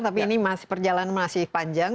tapi ini perjalanan masih panjang